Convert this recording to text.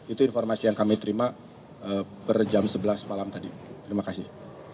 itu informasi yang kami terima per jam sebelas malam tadi terima kasih